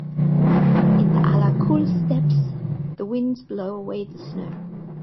In the Ala-kul steppes the winds blow away the snow.